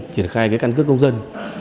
triển khai căn cước công dân